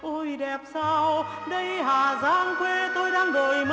ôi đẹp sao đây hà giang quê tôi đang đổi mới